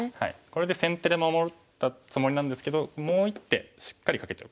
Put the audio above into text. これで先手で守ったつもりなんですけどもう一手しっかりかけておく。